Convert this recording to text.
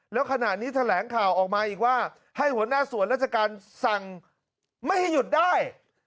แล้วขณะนี้แถลงข่าวออกมาอีกว่าให้หัวหน้าส่วนราชการสั่งไม่ให้หยุดได้